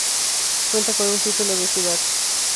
Cuenta con el título de ciudad.